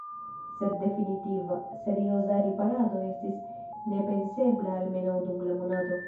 Sed definitiva, serioza riparado estis nepensebla, almenaŭ dum la monato.